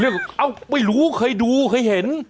ไม่รู้เคยดูเคยเห็น